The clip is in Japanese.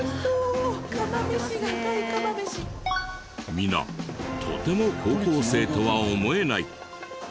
皆とても高校生とは思えない。